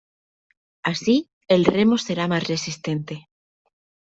Así el remo será más resistente.